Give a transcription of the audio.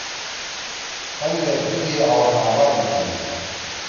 پندے دُو دی اورنگ آباد می تھلئی